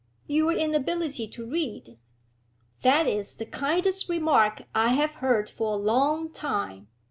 'Your inability to read.' 'That is the kindest remark I have heard for a long time!'